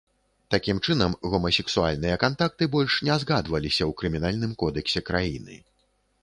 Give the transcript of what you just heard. Такім чынам, гомасексуальныя кантакты больш не згадваліся ў крымінальным кодэксе краіны.